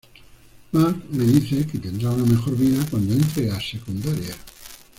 Mark le dice que tendrá una mejor vida cuando entre a secundaria.